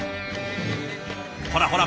ほらほら